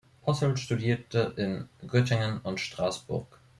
Posselt studierte in Göttingen und Straßburg.